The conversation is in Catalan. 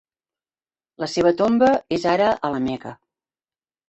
La seva tomba és ara a la Meca.